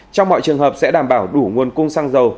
trong mọi trường hợp sẽ đảm bảo đủ nguồn cung xăng dầu